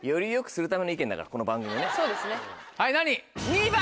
２番！